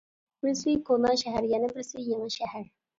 بىرسى، كونا شەھەر، يەنە بىرسى، يېڭى شەھەر.